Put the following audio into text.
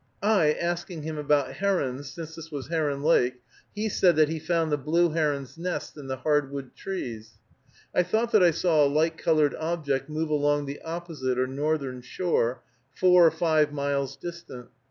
I asking him about herons, since this was Heron Lake, he said that he found the blue heron's nests in the hardwood trees. I thought that I saw a light colored object move along the opposite or northern shore, four or five miles distant.